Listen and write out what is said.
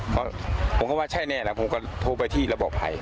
เพราะผมก็ว่าใช่แน่แล้วผมก็โทรไปที่ระบบภัย